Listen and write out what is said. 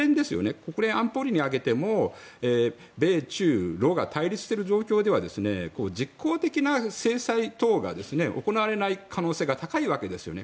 国連安保理に上げても米中ロが対立している状況では実効的な制裁等が行われない可能性が高いわけですよね。